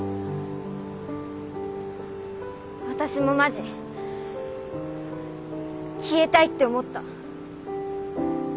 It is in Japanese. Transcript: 私もマジ消えたいって思った。